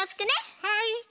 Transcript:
はい。